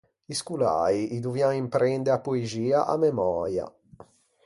I scoläi i dovian imprende a poexia à memöia.